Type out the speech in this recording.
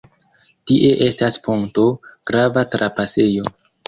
Tie estas ponto, grava trapasejo.